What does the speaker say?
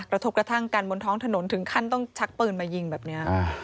กระทบกระทั่งกันบนท้องถนนถึงขั้นต้องชักปืนมายิงแบบนี้